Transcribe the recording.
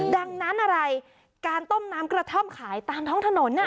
ดังนั้นอะไรการต้มน้ำกระท่อมขายตามท้องถนน